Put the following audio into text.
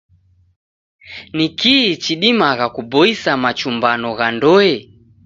Ni kii chidimagha kuboisa machumbano gha ndoe?